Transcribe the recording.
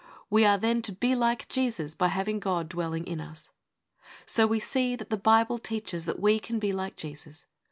We are, then, to be like Jesus by having God dwelling in us. So we see that the Bible teaches that we can be like Jesus.